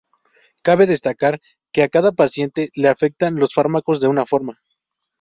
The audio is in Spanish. Cabe destacar que a cada paciente le afectan los fármacos de una forma.